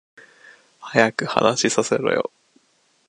早く話させろよ